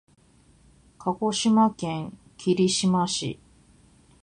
鹿児島県霧島市